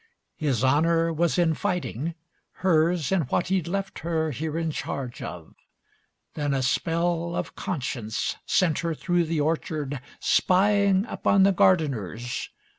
His honour was in fighting, hers in what He'd left her here in charge of. Then a spell Of conscience sent her through the orchard spying Upon the gardeners.